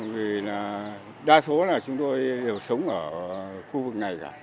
vì là đa số chúng tôi đều sống ở khu vực này